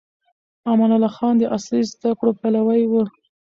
امان الله خان د عصري زده کړو پلوي و.